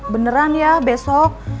beneran ya besok